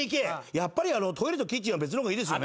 やっぱりトイレとキッチンは別の方がいいですよね？